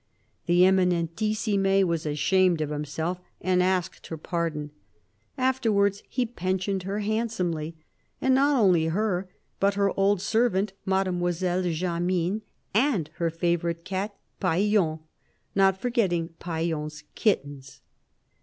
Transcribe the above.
'" The Eminentissime was ashamed of himself, and asked her pardon. Afterwards he pensioned her handsomely, and not only her, but her old servant Mademoiselle Jamyn and her favourite cat Piaillon, not forgetting Piaillon's kittens.